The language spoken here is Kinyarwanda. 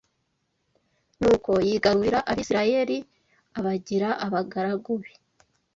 Nuko yigarurira Abisirayeli abagira abagaragu be